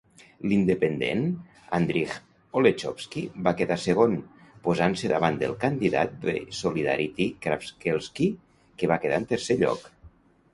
L'independent Andrzej Olechowski va quedar segon, posant-se davant del candidat de Solidarity Krzaklewski, que va quedar en tercer lloc.